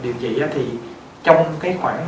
điều trị á thì trong cái khoảng